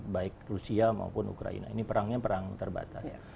baik rusia maupun ukraina ini perangnya perang terbatas